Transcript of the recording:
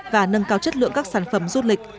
và nâng cao chất lượng các sản phẩm du lịch